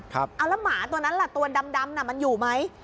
เอาแล้วหมาตัวนั้นล่ะตัวดำน่ะมันอยู่ไหม